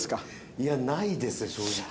いやないですね正直。